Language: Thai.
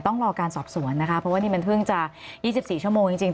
ต้องรอการสอบสวนนะคะเพราะว่านี่มันเพิ่งจะ๒๔ชั่วโมงจริง